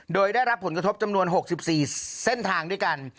โดยได้รับผลกระทบจำนวน๖๔เส้นทางด้วยกัน